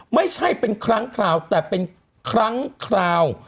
ไม่ใช่เป็นครั้งคราวแต่เป็นครั้งคราว